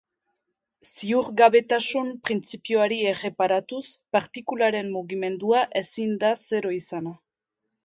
Ziurgabetasun printzipioari erreparatuz, partikularen mugimendua ezin da zero izan.